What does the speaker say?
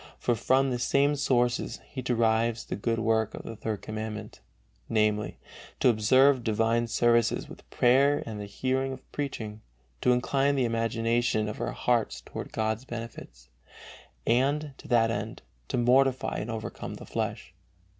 From the same source he derives the good work of the Third Commandment, namely, "to observe divine services with prayer and the hearing of preaching, to incline the imagination of our hearts toward God's benefits, and, to that end, to mortify and overcome the flesh."